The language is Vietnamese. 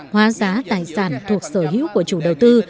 hóa giá tài sản thuộc sở hữu của chủ đầu tư